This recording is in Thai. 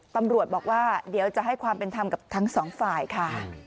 ตำรวจบอกว่าเดี๋ยวจะให้ความเป็นธรรมกับทั้งสองฝ่ายค่ะ